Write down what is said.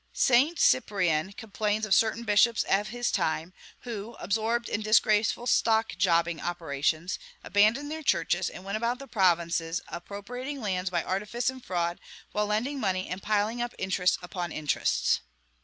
St. Cyprian complains of certain bishops of his time, who, absorbed in disgraceful stock jobbing operations, abandoned their churches, and went about the provinces appropriating lands by artifice and fraud, while lending money and piling up interests upon interests.